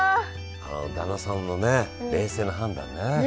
あの旦那さんのね冷静な判断ね。